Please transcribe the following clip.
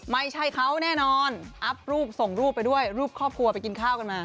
ไม่ใช่เขาแน่นอนอัพรูปส่งรูปไปด้วยรูปครอบครัวไปกินข้าวกันมา